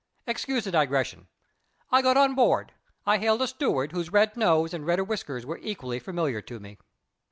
Excuse the digression. I got on board. I hailed a steward, whose red nose and redder whiskers were equally familiar to me.